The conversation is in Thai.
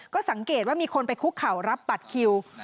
ก็สังเกตว่ามีคนไปคุกเข่ารับบัตรคิว